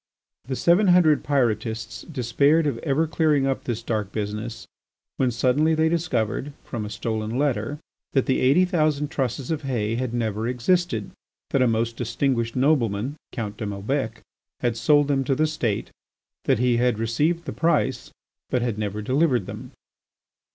The seven hundred Pyrotists despaired of ever clearing up this dark business, when suddenly they discovered, from a stolen letter, that the eighty thousand trusses of hay had never existed, that a most distinguished nobleman, Count de Maubec, had sold them to the State, that he had received the price but had never delivered them.